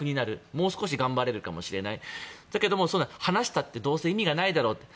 もう少し頑張れるかもしれないだけど話したってどうせ意味がないだろう